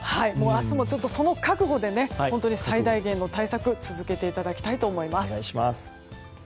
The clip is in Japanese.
明日もその覚悟で最大限の対策を続けていただきたいと思います。